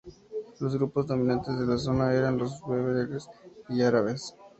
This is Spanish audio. Los grupos dominantes de la zona eran los bereberes y árabes.